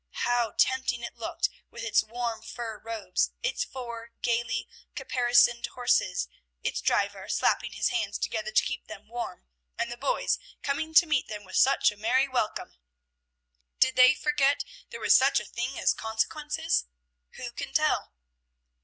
How tempting it looked with its warm fur robes, its four gayly caparisoned horses, its driver, slapping his hands together to keep them warm, and the boys coming to meet them with such a merry welcome! Did they forget there was such a thing as consequences? Who can tell?